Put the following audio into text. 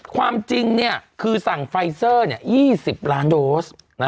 ความจริงคือสั่งไฟเซอร์๒๐ล้านโดส